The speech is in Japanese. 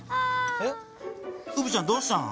うぶちゃんどうしたの？